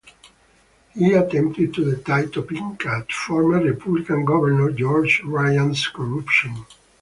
He attempted to tie Topinka to former Republican governor George Ryan's corruption.